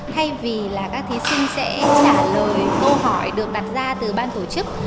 thì là các thí sinh sẽ trả lời câu hỏi được đặt ra từ ban tổ chức